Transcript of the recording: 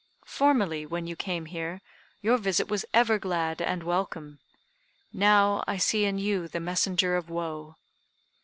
Formerly, when you came here, your visit was ever glad and welcome; now I see in you the messenger of woe.